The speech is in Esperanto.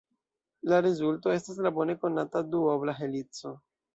La rezulto estas la bone konata duobla helico.